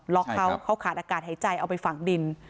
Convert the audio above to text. เขาเขาขาดอากาศหายใจเอาไปฝังดิน